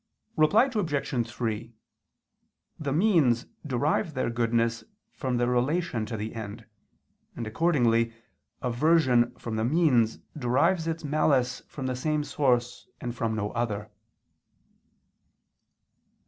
Reply Obj. 3: The means derive their goodness from their relation to the end, and accordingly aversion from the means derives its malice from the same source and from no other.